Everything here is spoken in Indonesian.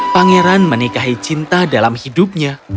pangeran menikahi cinta dalam hidupnya